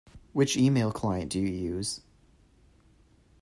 Which email client do you use?